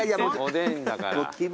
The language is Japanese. おでんだから。